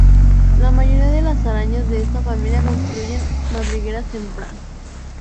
La mayoría de las arañas de esta familia construyen madrigueras trampa.